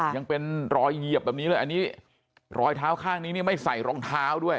ยังเป็นรอยเหยียบแบบนี้เลยอันนี้รอยเท้าข้างนี้เนี่ยไม่ใส่รองเท้าด้วย